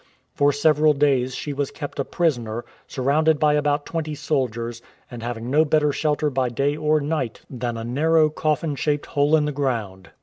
For several days she was kept a prisoner, surrounded by about twenty soldiers, and having no better shelter by day or night than a narrow coffin shaped hole in the ground.